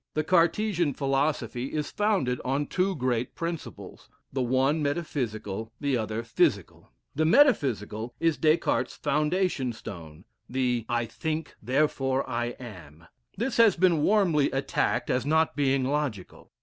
The Cartesian philosophy is founded on two great principles, the one metaphysical, the other physical. The metaphysical is Des Cartes's foundation stone the "I think, therefore I am." This has been warmly attacked as not being logical.